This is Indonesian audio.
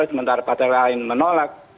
sementara patel lain menolak